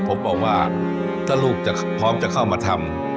ผมบอกว่าถ้าลูกจะพร้อมจะเข้ามาทำ